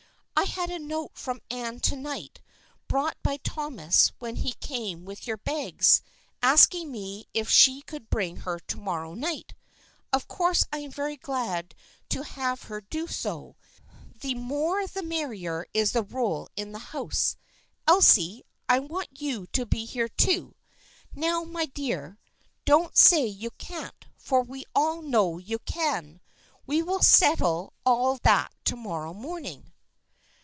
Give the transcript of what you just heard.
" I had a note from Anne to night, brought by Thomas when he came with your bags, asking me if she could bring her to morrow night. Of course I am very glad to have her do so. The 142 THE FKIENDSHIP OF ANNE more the merrier is the rule in this house. Elsie, I want you to be here too. Now, my dear, don't say you can't, for we know you can ! We will set tle all that to morrow morning."